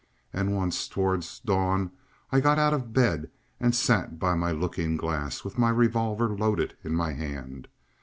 And once towards dawn I got out of bed, and sat by my looking glass with my revolver loaded in my hand.